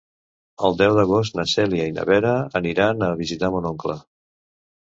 El deu d'agost na Cèlia i na Vera aniran a visitar mon oncle.